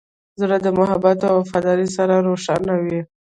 زړه د محبت او وفادارۍ سره روښانه وي.